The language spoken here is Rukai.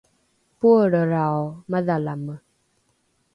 poelrelrao madhalame